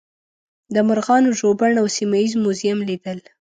د مرغانو ژوبڼ او سیمه ییز موزیم لیدل.